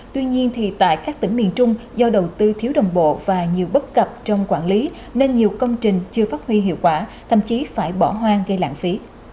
tuy nhiên tại các tỉnh miền trung do đầu tư thiếu đồng bộ và nhiều bất cập trong quản lý nên nhiều công trình chưa phát huy hiệu quả thậm chí phải bỏ hoang gây lãng phí